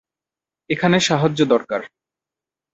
এখানে সাহায্য দরকার!